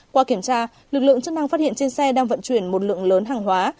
qua kiểm tra lực lượng chức năng phát hiện trên xe đang vận chuyển một lượng lớn hàng hóa